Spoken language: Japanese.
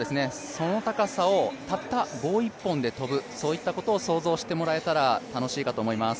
その高さをたった棒一本で跳ぶ、そういったことを想像してもらえたら楽しいと思います。